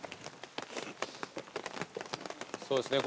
そうですね。